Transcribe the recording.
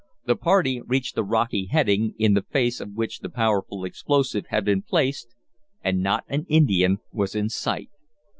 The party reached the rocky heading, in the face of which the powerful explosive had been placed, and not an Indian was in sight.